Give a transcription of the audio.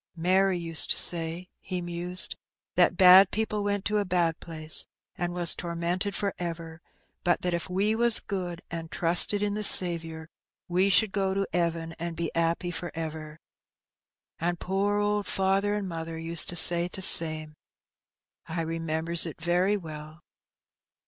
"Mary used to say," he mused, "that bad people went to a bad place an' was tormented for ever; but that if we was good, an' trusted in the Saviour, we should go to 'eaven an' be ^appy for ever. And poor owd father and mother used to say t' same. I remembers it very well